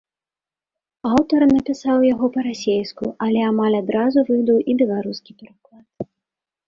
Аўтара напісаў яго па-расейску, але амаль адразу выдаў і беларускі пераклад.